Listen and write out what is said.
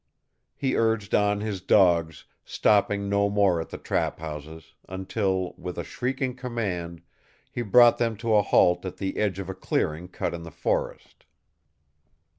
He urged on his dogs, stopping no more at the trap houses, until, with a shrieking command, he brought them to a halt at the edge of a clearing cut in the forest.